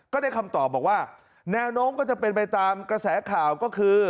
ก็ได้คำตอบบอกว่าแนวโน้มก็จะเป็นไปตามกระแสข่าวก็คือ